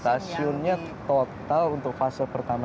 stasiunnya total untuk fase pertama